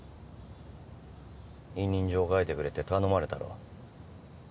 委任状書いてくれって頼まれたろ？